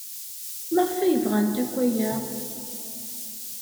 Maɣef ay bɣant akk aya?